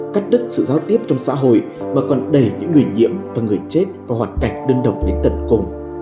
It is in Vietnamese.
cắt đứt sự giao tiếp trong xã hội mà còn đẩy những người nhiễm và người chết vào hoàn cảnh đơn độc đến tận cùng